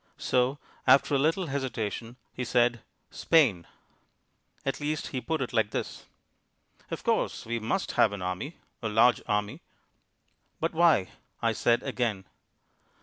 So, after a little hesitation, he said "Spain." At least he put it like this: "Of course, we must have an army, a large army." "But why?" I said again.